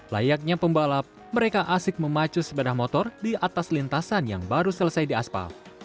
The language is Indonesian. layaknya pembalap mereka asik memacu sepeda motor di atas lintasan yang baru selesai di aspal